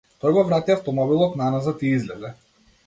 Тој го врати автомобилот наназад и излезе.